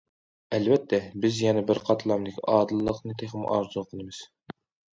ئەلۋەتتە، بىز يەنە بىر قاتلامدىكى ئادىللىقنى تېخىمۇ ئارزۇ قىلىمىز.